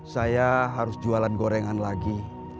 saya harus jualan gorengan lagi